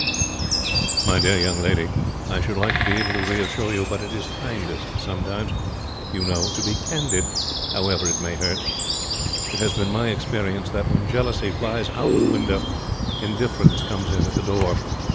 'My dear young lady, I should like to be able to reassure you; but it is kindest sometimes, you know, to be candid, however it may hurt. It has been my experience that, when jealousy flies out of the window, indifference comes in at the door.